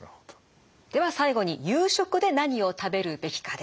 では最後に夕食で何を食べるべきかです。